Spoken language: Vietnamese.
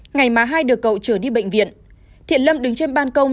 ngày mà hai được cậu trở đi bệnh viện thiện lâm đứng trên ban công